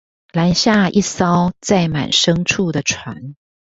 攔下一艘載滿牲畜的船